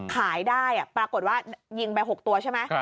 ขายได้ปรากฏว่ายิงไป๖ตัวใช่ไหม